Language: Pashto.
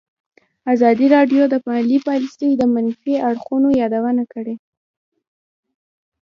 ازادي راډیو د مالي پالیسي د منفي اړخونو یادونه کړې.